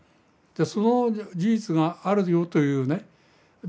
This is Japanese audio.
その事実があるよというね